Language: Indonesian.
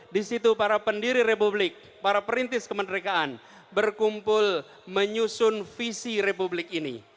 di situ para pendiri republik para perintis kemerdekaan berkumpul menyusun visi republik ini